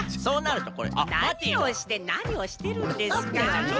そうなるとこれあっ！なにをしてなにをしてるんですか？